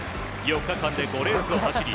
４日間で５レースを走り